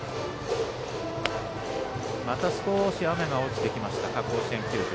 また少し雨が落ちてきました甲子園球場。